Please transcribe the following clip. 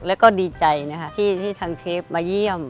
แล้วก็ดีใจนะคะที่ทางเชฟมาเยี่ยม